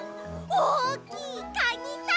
おおきいカニさん。